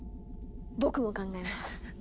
僕も考えます！